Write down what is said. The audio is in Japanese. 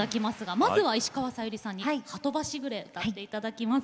まずは石川さゆりさんに「波止場しぐれ」を歌っていただきます。